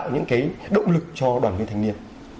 những cái động lực cho đoàn viên thanh niên